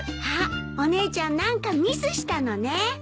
あっお姉ちゃん何かミスしたのね。